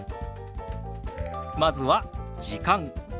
まずは「時間」。